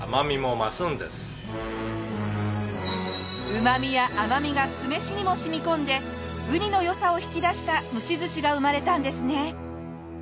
うまみや甘みが酢飯にも染み込んでウニの良さを引き出した蒸し寿司が生まれたんですね。